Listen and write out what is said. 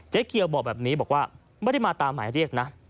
เกียวบอกแบบนี้บอกว่าไม่ได้มาตามหมายเรียกนะ